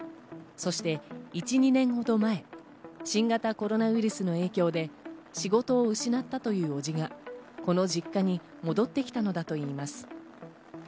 そして、１２年ほど前、新型コロナウイルスの影響で仕事を失ったという伯父がこの実家に戻ってきたのだといいます。